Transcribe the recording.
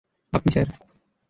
আপনি, স্যার।